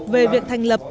về việc thành lập